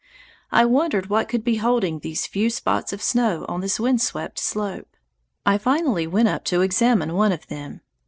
I wondered what could be holding these few spots of snow on this wind swept slope. I finally went up to examine one of them.